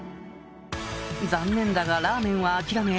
残念だがラーメンは諦め